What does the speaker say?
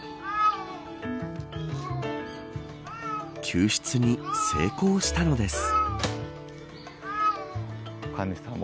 救出に成功したのです。